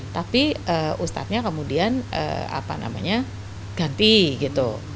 tapi ustadznya kemudian ganti gitu